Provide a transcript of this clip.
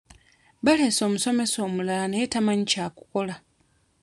Baaleese omusomesa omulala naye tamanyi kyakukola.